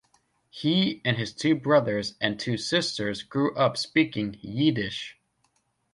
He and his two brothers and two sisters grew up speaking Yiddish.